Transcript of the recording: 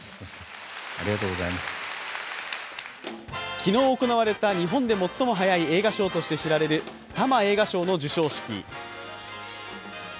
昨日行われた日本で最も早い映画賞として知られるＴＡＭＡ映画賞の授賞式。